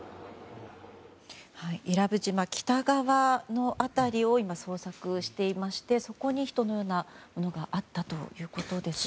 伊良部島北側の辺りを今、捜索していましてそこに人のようなものがあったということですね。